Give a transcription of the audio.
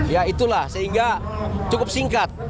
ya itulah sehingga cukup singkat